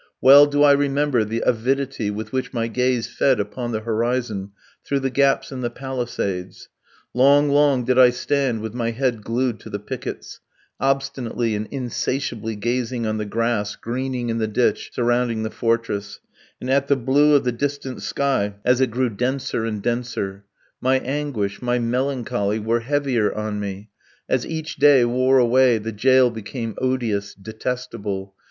Well do I remember the avidity with which my gaze fed upon the horizon through the gaps in the palisades; long, long did I stand with my head glued to the pickets, obstinately and insatiably gazing on the grass greening in the ditch surrounding the fortress, and at the blue of the distant sky as it grew denser and denser. My anguish, my melancholy, were heavier on me; as each day wore away the jail became odious, detestable.